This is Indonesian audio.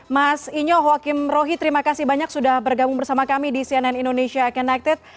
mas inyo wakim rohi terima kasih banyak sudah bergabung bersama kami di cnn indonesia connected